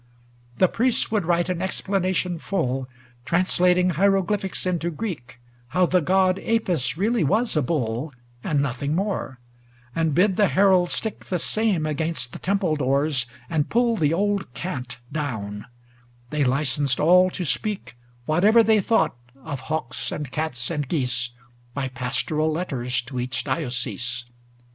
LXXIII The priests would write an explanation full, Translating hieroglyphics into Greek, How the god Apis really was a bull, And nothing more; and bid the herald stick The same against the temple doors, and pull The old cant down; they licensed all to speak Whate'er they thought of hawks, and cats, and geese, By pastoral letters to each diocese.